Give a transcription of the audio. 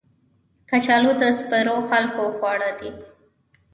کچالو د سپېرو خلکو خواړه دي